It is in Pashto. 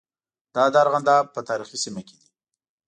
دا د ارغنداب په تاریخي سیمه کې دي.